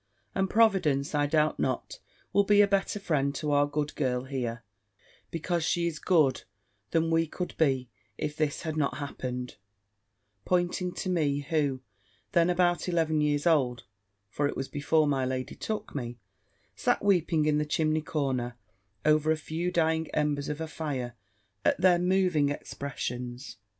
And Providence, I doubt not, will be a better friend to our good girl here, because she is good, than we could be, if this had not happened," pointing to me, who, then about eleven years old (for it was before my lady took me), sat weeping in the chimney corner, over a few dying embers of a fire, at their moving expressions.